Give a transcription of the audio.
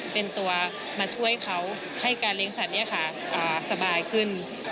เป็นตัวมาช่วยเขาให้การเลี้ยงสัตว์สบายขึ้น